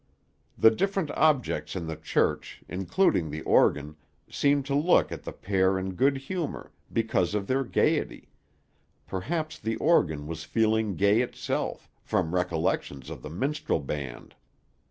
The different objects in the church, including the organ, seemed to look at the pair in good humor because of their gayety; perhaps the organ was feeling gay itself, from recollections of the minstrel band.